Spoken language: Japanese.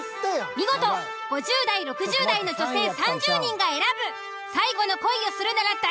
見事５０代・６０代の女性３０人が選ぶ最後の恋をするなら誰？